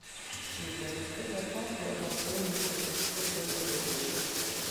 Tiutempe la kampoj apartenis al episkopejo de Eger.